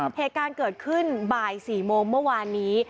เหตุการณ์เกิดขึ้นบ่าย๔โมงเมื่อวานนี้